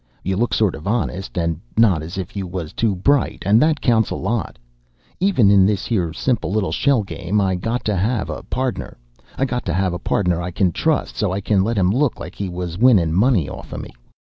You look sort of honest and not as if you was too bright, and that counts a lot. Even in this here simple little shell game I got to have a podner. I got to have a podner I can trust, so I can let him look like he was winnin' money off of me.